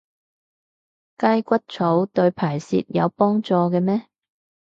雞骨草對排泄有幫助嘅咩？